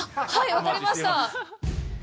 分かりました。